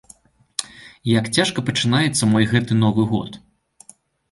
Як цяжка пачынаецца мой гэты новы год.